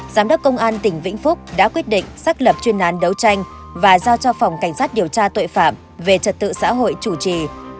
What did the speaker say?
giám đốc công an tỉnh vĩnh phúc đã quyết định xác lập chuyên án đấu tranh và giao cho phòng cảnh sát điều tra tội phạm về trật tự xã hội chủ trì